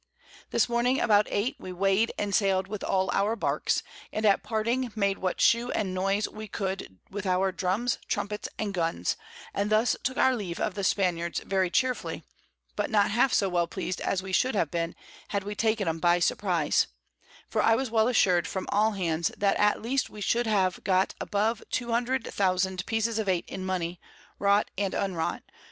This Morning about 8 we weighed, and sailed with all our Barks, and at parting made what Shew and Noise we could with our Drums, Trumpets and Guns, and thus took our Leave of the Spaniards very cheerfully, but not half so well pleased as we should have been, had we taken 'em by Surprize: For I was well assur'd from all hands, that at least we should then have got above 200000 Pieces of Eight in Money, wrought and unwrought.